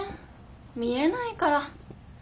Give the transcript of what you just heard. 見えないから。